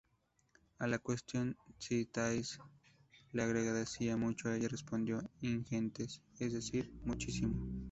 A la cuestión si Thais le agradecía mucho ella respondió ""Ingentes"", es decir "muchísimo".